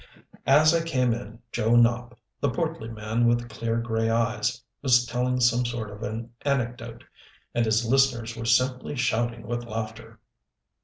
As I came in Joe Nopp the portly man with the clear, gray eyes was telling some sort of an anecdote, and his listeners were simply shouting with laughter.